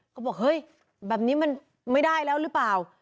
ก็บอกเฮ้ยแบบนี้มันไม่ได้แล้วหรือเปล่า